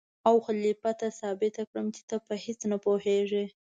او خلیفه ته ثابت کړم چې ته په هېڅ نه پوهېږې.